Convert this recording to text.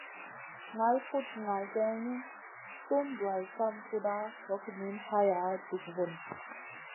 Ŋal kuɗ ŋal geyni, tun duwayda kam kuɗa, hog niyn haya, dug vun.